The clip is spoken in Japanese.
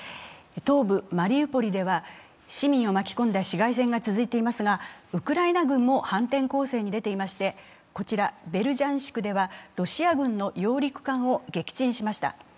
東部マリウポリでは市民を巻き込んだ市街戦が続いていますが、ウクライナ軍も反転攻勢に出ていまして、こちら、ベルジャンシクではロシア軍の揚陸艦を撃沈しました。